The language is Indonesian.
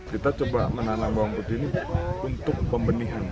kita coba menanam bawang putih ini untuk pembenihan